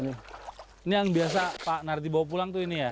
ini yang biasa pak nardi bawa pulang tuh ini ya